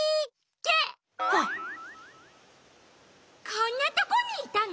こんなとこにいたの？